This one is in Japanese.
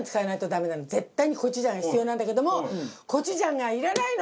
絶対にコチュジャンが必要なんだけどもコチュジャンがいらないの！